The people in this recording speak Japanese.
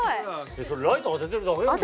それライト当ててるだけだもんね。